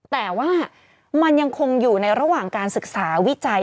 แต่ว่ามันยังคงอยู่ในระหว่างการศึกษาวิจัย